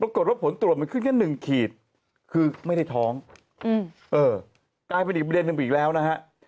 ผลตรวจมันขึ้นแค่หนึ่งขีดคือไม่ได้ท้องกลายเป็นอีกประเด็นหนึ่งไปอีกแล้วนะฮะ